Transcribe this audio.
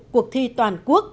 cuộc thi toàn quốc